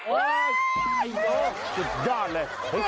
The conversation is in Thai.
โอ๊ยโอ๊ยจุดด้านเลย